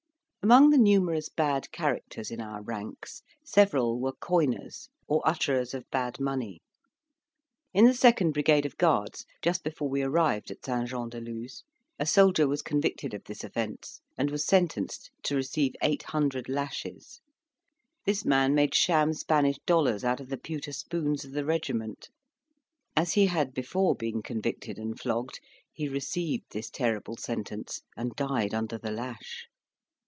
Among the numerous bad characters in our ranks, several were coiners, or utterers of bad money. In the second brigade of Guards, just before we arrived at St. Jean de Luz, a soldier was convicted of this offence, and was sentenced to receive 800 lashes. This man made sham Spanish dollars out of the pewter spoons of the regiment. As he had before been convicted and flogged, he received this terrible sentence, and died under the lash.